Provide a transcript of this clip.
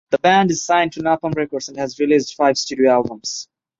The band is signed to Napalm Records and has released five studio albums.